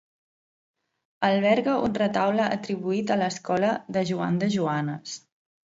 Alberga un retaule atribuït a l'escola de Joan de Joanes.